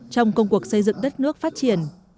trong công cuộc xây dựng đất nước phát triển